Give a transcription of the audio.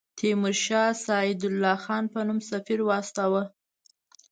تیمورشاه سعدالله خان په نوم سفیر واستاوه.